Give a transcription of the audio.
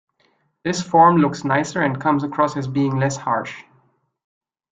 This form looks nicer and comes across as being less harsh.